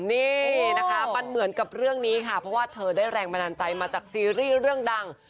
นี่นะคะมันเหมือนกับเรื่องนี้ค่ะเพราะว่าเธอได้แรงบันดาลใจมาจากซีรีส์เรื่องดัง